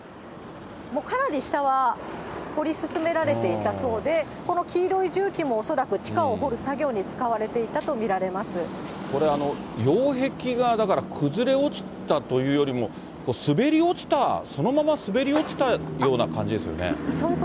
かなり下は掘り進められていたそうで、この黄色い重機も恐らく地下を掘る作業に使われていたと見られまこれ、擁壁がだから、崩れ落ちたというよりも、滑り落ちた、そのまま滑り落ちたような感じですよね。